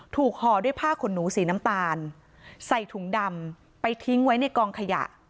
ห่อด้วยผ้าขนหนูสีน้ำตาลใส่ถุงดำไปทิ้งไว้ในกองขยะ